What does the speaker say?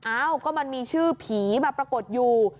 อ้าวก็มันมีชื่อผีมาปรากฏอยู่